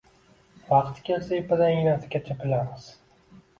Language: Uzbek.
vaqti kelsa, ipidan-ignasigacha bilamiz